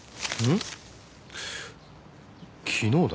ん？